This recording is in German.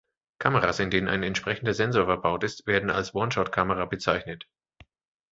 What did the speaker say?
Kameras, in denen ein entsprechender Sensor verbaut ist, werden als One-Shot-Kamera bezeichnet.